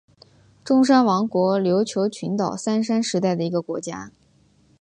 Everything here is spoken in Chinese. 中山王国琉球群岛三山时代的一个国家。